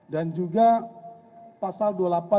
dan juga pasal dua puluh delapan